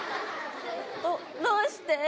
どどうして？